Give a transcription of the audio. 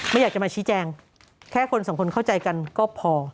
ไม่อยากจะมาชี้แจงแค่คนสองคนเข้าใจกันก็พอ